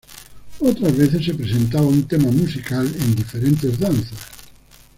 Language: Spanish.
Otras veces se presentaba un tema musical en diferentes danzas.